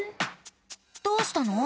どうしたの？